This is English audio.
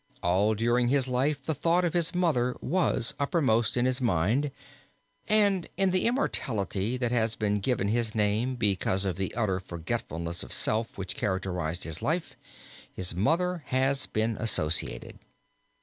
All during his life the thought of his mother was uppermost in his mind, and in the immortality that has been given his name, because of the utter forgetfulness of self which characterized his life, his mother has been associated.